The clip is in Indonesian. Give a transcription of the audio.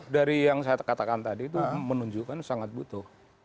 dari yang saya katakan tadi itu menunjukkan sangat butuh